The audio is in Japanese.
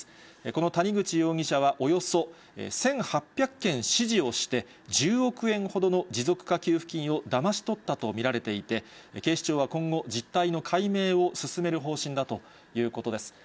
この谷口容疑者は、およそ１８００件指示をして、１０億円ほどの持続化給付金をだまし取ったと見られていて、警視庁は今後、実態の解明を進める方針だということです。